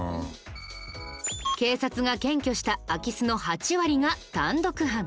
警察が検挙した空き巣の８割が単独犯。